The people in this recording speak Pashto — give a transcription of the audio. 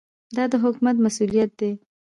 دا د حکومت مسوولیت دی.